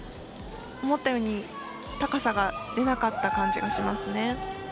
思ったように高さが出なかった感じがしますね。